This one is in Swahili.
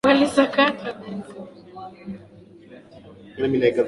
Walisakata densi kushindania tuzo zile